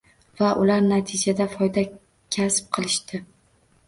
Va ular, natijada, foyda kasb qilishdi.